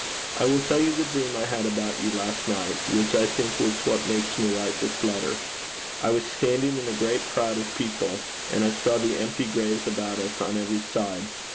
I will tell you the dream I had about you last night, which I think was what makes me write this letter. I was standing in a great crowd of people, and I saw the empty graves about us on every side.